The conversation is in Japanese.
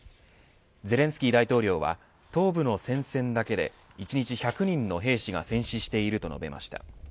ゼレンスキー大統領は東部の戦線だけで１日１００人の兵士が戦死していると述べました。